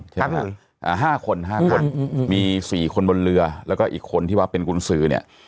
๕คน๕คนมี๔คนบนเรือแล้วก็อีกคนที่ว่าเป็นกุญสือเนี่ย